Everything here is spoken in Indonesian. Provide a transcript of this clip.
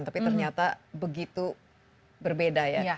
tapi ternyata begitu berbeda ya